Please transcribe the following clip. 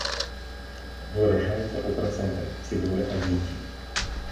Выражаецца ў працэнтах ці долях адзінкі.